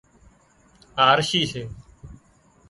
آرشِي سي